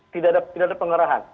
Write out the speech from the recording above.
tidak ada pengerahan